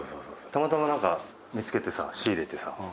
たまたまなんか見つけてさ仕入れてさ。